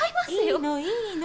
いいのいいの。